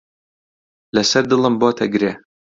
لەسەر دڵم بۆتە گرێ.